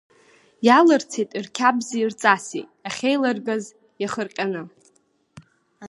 Иалырцеит рқьабзи-рҵаси ахьеиларгаз иахырҟьаны.